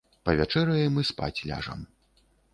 Павячэраем і спаць ляжам.